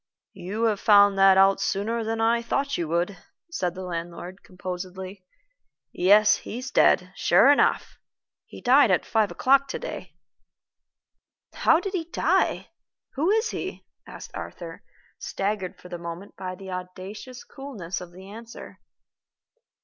"You have found that out sooner than I thought you would," said the landlord, composedly. "Yes, he's dead, sure enough. He died at five o'clock to day." "How did he die? Who is he?" asked Arthur, staggered for the moment by the audacious coolness of the answer.